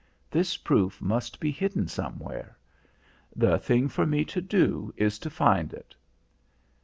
This proof must be hidden somewhere. The thing for me to do is to find it."